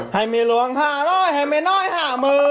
ให่เมล้วงผ่านล้อยให้เมน่อยห้ามือ